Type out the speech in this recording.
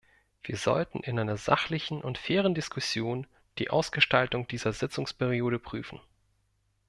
Wir sollten in einer sachlichen und fairen Diskussion die Ausgestaltung dieser Sitzungsperiode prüfen.